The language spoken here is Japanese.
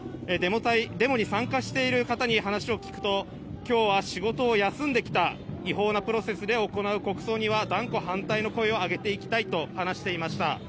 デモに参加している方に話を聞くと今日は仕事を休んできた違法なプロセスで行う国葬には断固反対の声を上げていきたいと話していました。